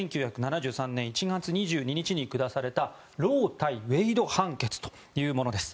１９７３年１月２２日に下されたロー対ウェイド判決というものです。